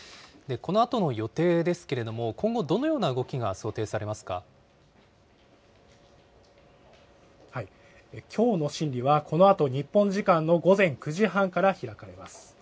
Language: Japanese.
このあとの予定ですけれども、今後、どのような動きが想定されきょうの審理は、このあと日本時間の午前９時半から開かれます。